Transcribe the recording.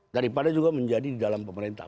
daripada juga menjadi di dalam pemerintah